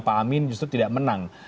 pak amin justru tidak menang